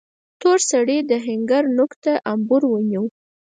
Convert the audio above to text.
تور سړي د آهنګر نوک ته امبور ونيو.